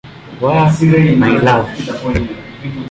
wa "My Love".